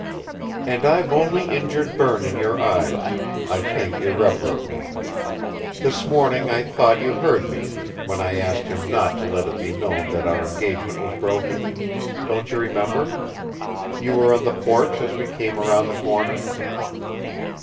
"And I've only injured Berne in your eyes; I think, irreparably! This morning I thought you heard me when I asked him not to let it be known that our engagement was broken? Don't you remember? You were on the porch as we came around the corner."